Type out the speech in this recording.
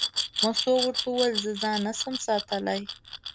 مستو ورته وویل: زه ځان نه شم ساتلی.